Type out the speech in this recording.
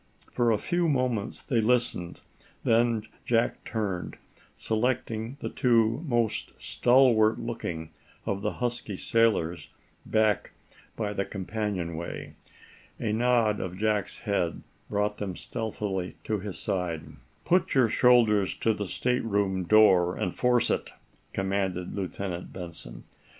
For a few moments they listened. Then Jack turned, selecting the two most stalwart looking of the husky sailors back by the companionway. A nod of Jack's head brought them stealthily to his side. "Put your shoulders to the stateroom door, and force it," commanded Lieutenant Benson.